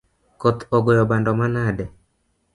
Koth ogoyo bando manade?